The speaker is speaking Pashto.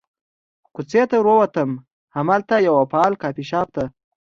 کوڅې ته ور ووتم، همالته یوه فعال کافي شاپ ته.